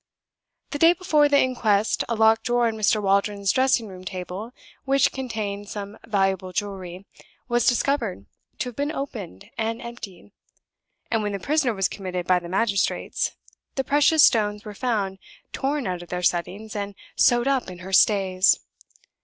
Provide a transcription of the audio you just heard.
The day before the inquest a locked drawer in Mr. Waldron's dressing room table, which contained some valuable jewelry, was discovered to have been opened and emptied; and when the prisoner was committed by the magistrates, the precious stones were found torn out of their settings and sewed up in her stays.